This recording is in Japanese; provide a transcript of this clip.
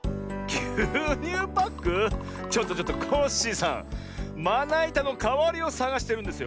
ちょっとちょっとコッシーさんまないたのかわりをさがしてるんですよ。